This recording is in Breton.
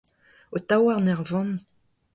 Ho taouarn er vann !